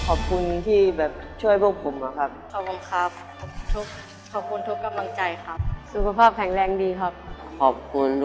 ขอบคุณที่แบบช่วยพวกผมนะครับขอบคุณครับขอบคุณทุกกำลังใจครับสุขภาพแข็งแรงดีครับขอบคุณ